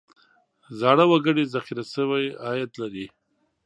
زاړه وګړي ذخیره شوی عاید لري.